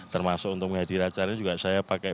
termasuk untuk menghadir acara ini juga saya pakai